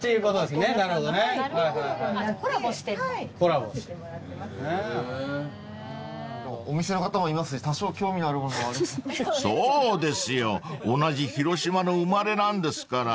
あっそうですか。